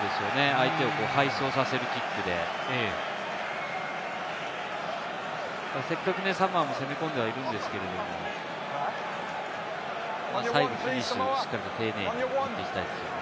相手を背走させるキックでせっかくサモアも攻め込んでいるんですけれど、最後フィニッシュ、しっかりと丁寧にやっていきたいですね。